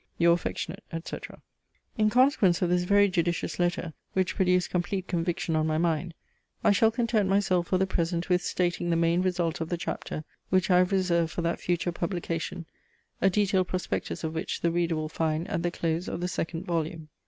"Your affectionate, etc." In consequence of this very judicious letter, which produced complete conviction on my mind, I shall content myself for the present with stating the main result of the chapter, which I have reserved for that future publication, a detailed prospectus of which the reader will find at the close of the second volume.